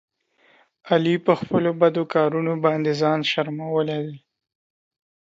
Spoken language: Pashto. علي په خپلو بدو کارونو باندې ځان شرمولی دی.